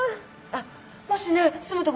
あっもしね住むとこ